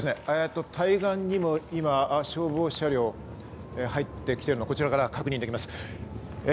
対岸にも今、消防車両、入ってきているのをこちらから確認できます。